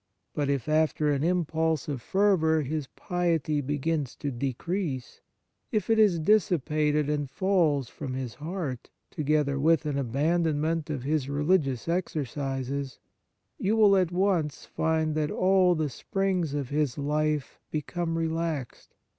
But if, after an impulse of fervour, his piety begins to decrease, if it is dissipated and fails from his heart, together with an abandonment of his religious exercises, you will at once find that all the springs of his life become relaxed.